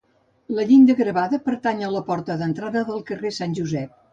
La llinda gravada pertany a la porta d'entrada del carrer Sant Josep.